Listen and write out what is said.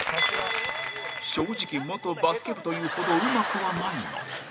正直、元バスケ部というほどうまくはないが山崎：